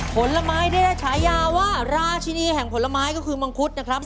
ผลไม้ตายัวราชินีแห่งผลไม้คือมังพุทธนะครับ